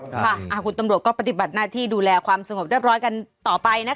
คุณตำรวจก็ปฏิบัติหน้าที่ดูแลความสงบเรียบร้อยกันต่อไปนะคะ